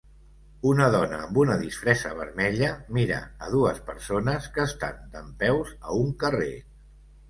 Una dona amb una disfressa vermella mira a dues persones que estan dempeus a un carrer.